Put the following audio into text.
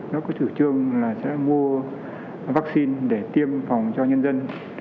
nó có chủ trương là sẽ mua vaccine để tiêm phòng cho nhân dân